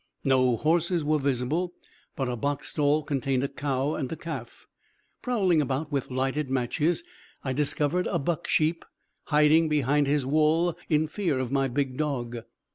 No horses were visible, but a box stall contained a cow and a calf. Prowling about with lighted matches, I discovered a buck sheep, hiding behind his wool in fear of my big dog.